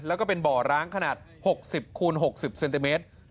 แล้วก็เป็นบ่อร้างขนาด๖๐คูณ๖๐เซนติเมตร